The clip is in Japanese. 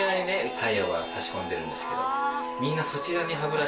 太陽が差し込んでるんですけどみんな。